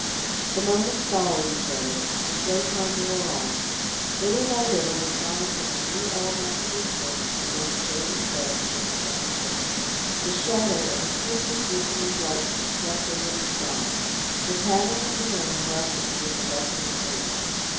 The moments followed each other, the slow time wore on. Little by little the signs of a new elemental disturbance began to show themselves in the summer storm. The shadow of a swiftly deepening darkness swept over the sky. The pattering of the rain lessened with the lessening wind.